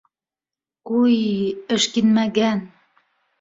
Уй, эшкинмәгән!